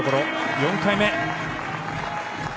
４回目。